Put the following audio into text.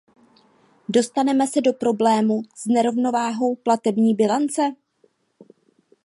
Dostaneme se do problému s nerovnováhou platební bilance?